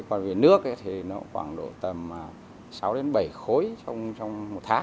còn về nước thì nó khoảng độ tầm sáu đến bảy khối trong một tháng